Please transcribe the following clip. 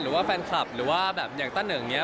หรือว่าแฟนคลับหรือว่าแบบอย่างต้าเหนิงเนี่ย